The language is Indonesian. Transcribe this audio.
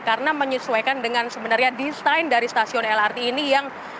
karena menyesuaikan dengan sebenarnya desain dari stasiun lrt ini yang